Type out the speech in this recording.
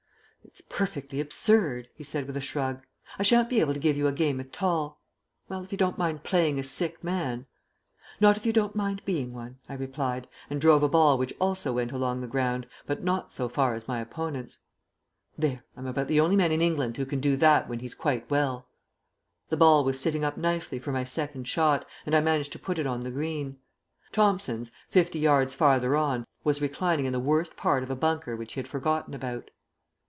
"It's perfectly absurd," he said with a shrug; "I shan't be able to give you a game at all. Well, if you don't mind playing a sick man " "Not if you don't mind being one," I replied, and drove a ball which also went along the ground, but not so far as my opponent's. "There! I'm about the only man in England who can do that when he's quite well." The ball was sitting up nicely for my second shot, and I managed to put it on the green. Thomson's, fifty yards farther on, was reclining in the worst part of a bunker which he had forgotten about.